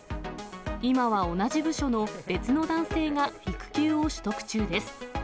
今は同じ部署の別の男性が育休を取得中です。